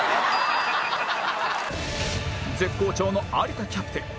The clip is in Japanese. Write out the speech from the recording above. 絶好調の有田キャプテン